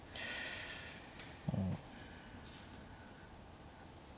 うん。